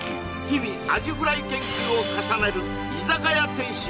日々アジフライ研究を重ねる居酒屋店主